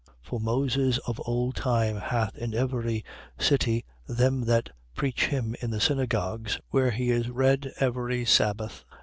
15:21. For Moses of old time hath in every city them that preach him in the synagogues, where he is read every sabbath.